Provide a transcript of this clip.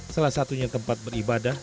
salah satunya tempat beribadah